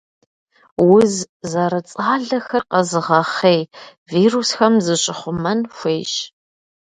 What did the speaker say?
Уз зэрыцӏалэхэр къэзыгъэхъей вирусхэм зыщыхъумэн хуейщ.